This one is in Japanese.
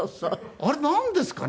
あれなんですかね？